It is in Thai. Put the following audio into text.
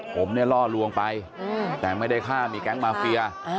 ผมเนี่ยล่อลวงไปแต่ไม่ได้ฆ่ามีแก๊งมาเฟีย